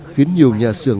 khiến nhiều nhà sườn